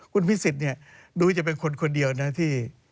คุณพิสิทธิ์เนี่ยดูจะเป็นคนคนเดียวนะที่